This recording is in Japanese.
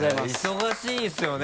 忙しいですよね